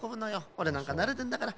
おれなんかなれてんだから。